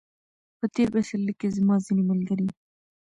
په تېر پسرلي کې زما ځینې ملګري